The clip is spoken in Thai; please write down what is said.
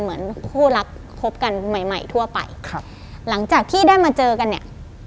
เหมือนคู่รักคบกันใหม่ใหม่ทั่วไปครับหลังจากที่ได้มาเจอกันเนี่ย